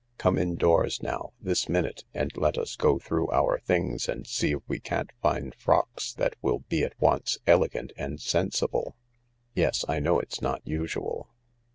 Come indoors now, this minute, and let us go through our things and see if we can't find frocks that will be at once elegant and sensible. Yes— I know it's not usual."